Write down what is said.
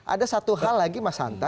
ada satu hal lagi mas hanta